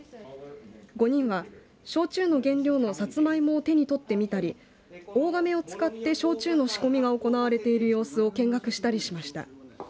５人は焼酎の原料のさつまいもを手に取って見たり大がめを使って焼酎の仕込みが行われている様子を見学したりしました。